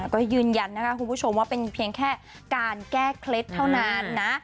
ก็ยืนยันนะคะคุณผู้ชมว่าเป็นเพียงแค่การแก้เคล็ดเท่านั้นนะ